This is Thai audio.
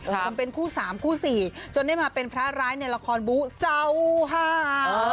ผมเป็นคู่สามคู่สี่จนได้มาเป็นพระร้ายในละครบุษาวหา